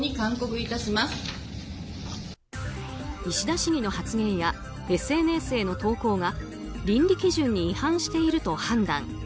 石田市議の発言やＳＮＳへの投稿が倫理基準に違反していると判断。